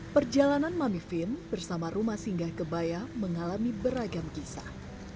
perjalanan mami vin bersama rumah singgah kebaya mengalami beragam kisah